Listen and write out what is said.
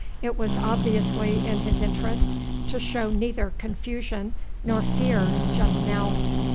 It was obviously in his interest to show neither confusion nor fear just now.